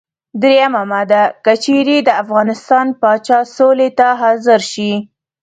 دریمه ماده: که چېرې د افغانستان پاچا سولې ته حاضر شي.